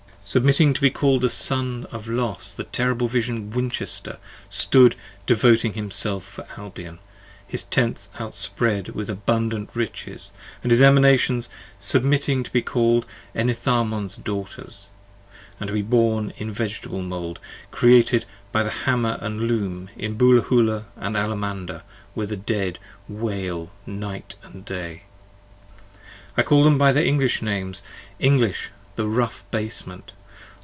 Submitting to be call'd the son of Los the terrible vision, Winchester stood devoting himself for Albion: his tents Outspread with abundant riches, and his Emanations 55 Submitting to be call'd Enitharmon's daughters, and be born In vegetable mould : created by the Hammer and Loom In Bowlahoola & Allamanda where the Dead wail night & day. (I call them by their English names; English, the rough basement.